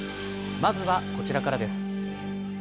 まずは、こちらからです。